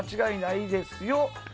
間違いないですよ。